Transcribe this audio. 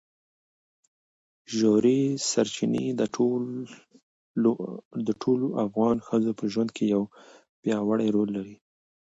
ژورې سرچینې د ټولو افغان ښځو په ژوند کې یو پیاوړی رول لري.